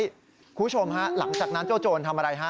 คุณผู้ชมหลังจากนั้นโจรทำอะไร